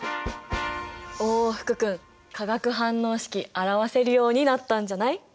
お福君化学反応式表せるようになったんじゃない？